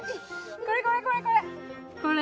これこれこれこれ！